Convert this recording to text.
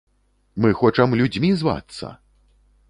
Мы хочам людзьмі звацца!